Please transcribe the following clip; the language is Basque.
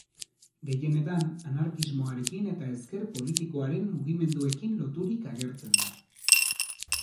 Gehienetan, anarkismoarekin eta ezker politikoaren mugimenduekin loturik agertzen da.